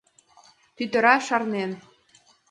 Тӱтыра шарлен.